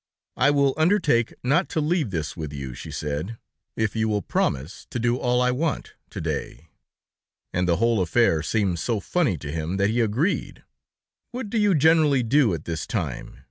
"I will undertake not to leave this with you," she said, "if you will promise to do all I want to day." And the whole affair seemed so funny to him that he agreed. "What do you generally do at this time?"